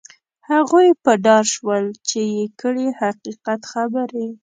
هغوی په دار شول چې یې کړلې حقیقت خبرې.